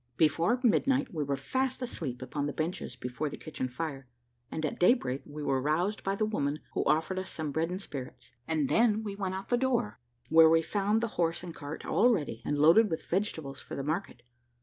Before midnight we were fast asleep upon the benches before the kitchen fire, and at day break were roused up by the woman, who offered us some bread and spirits; and then we went out to the door, where we found the horse and cart all ready, and loaded with vegetables for the market.